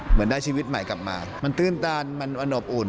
เหมือนได้ชีวิตใหม่กลับมามันตื้นตันมันอนบอุ่น